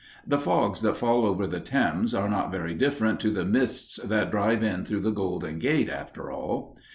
The fogs that fall over the Thames are not very different to the mists that drive in through the Golden Gate, after all!